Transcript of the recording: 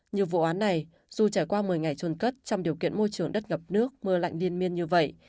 như vụ án này dù trải qua một mươi ngày trôn cất trong điều kiện môi trường đất ngập nước mưa lạnh liên miên như vậy